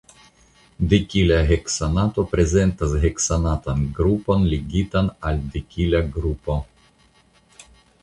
Dekila heksanato prezentas heksanatan grupon ligitan al dekila grupo.